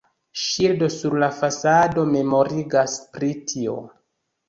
Ŝildo sur la fasado memorigas pri tio.